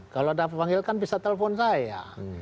kalau dapat panggil kan bisa telepon saya